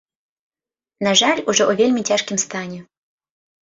На жаль, ужо ў вельмі цяжкім стане.